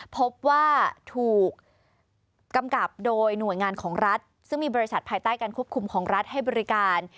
พบว่าถูกกำกับโดยหน่วยงานของรัฐซึ่งมีบริษัทภายใต้การควบคุมของรัฐให้บริการ